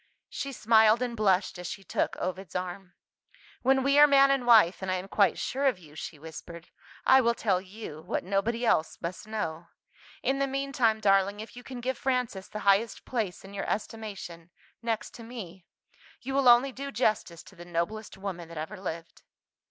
She smiled and blushed as she took Ovid's arm. "When we are man and wife, and I am quite sure of you," she whispered, "I will tell you, what nobody else must know. In the meantime, darling, if you can give Frances the highest place in your estimation next to me you will only do justice to the noblest woman that ever lived."